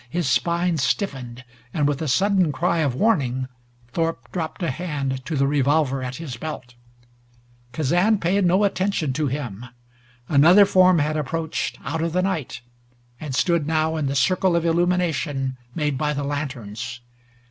His spine stiffened, and with a sudden cry of warning, Thorpe dropped a hand to the revolver at his belt. Kazan paid no attention to him. Another form had approached out of the night, and stood now in the circle of illumination made by the lanterns.